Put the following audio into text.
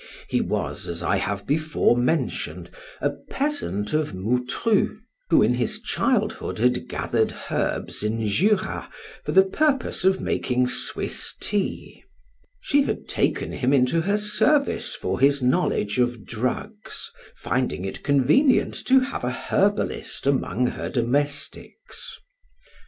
He was, as I have before mentioned, a peasant of Moutru, who in his childhood had gathered herbs in Jura for the purpose of making Swiss tea; she had taken him into her service for his knowledge of drugs, finding it convenient to have a herbalist among her domestics.